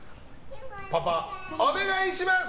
パパ、お願いします！